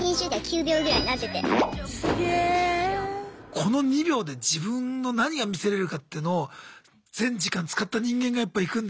この２秒で自分の何が見せれるかっていうのを全時間使った人間がやっぱいくんだ。